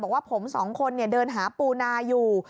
บอกว่าผมสองคนเดินหาปูนาอยู่